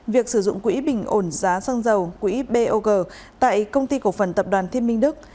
việc sử dụng quỹ bình ổn giá xăng dầu quỹ bog tại công ty cổ phần tập đoàn thiên minh đức